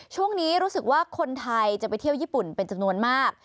ช่วงนี้รู้สึกว่าคนไทยจะไปเที่ยวญี่ปุ่นเป็นจำนวนมาก